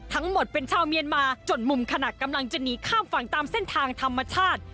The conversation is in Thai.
ทั้งหมดเป็นชาวเมียนมาจนมุมขณะกำลังจะหนีข้ามฝั่งตามเส้นทางธรรมชาติ